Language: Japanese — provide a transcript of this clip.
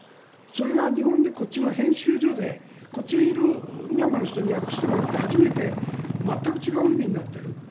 それが日本でこっちは編集所でこっちにいるミャンマーの人に訳してもらって初めて全く違う意味になっている。